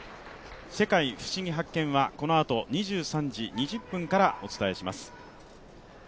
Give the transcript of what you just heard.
「世界ふしぎ発見！」はこのあと２３時２０分からお伝えします。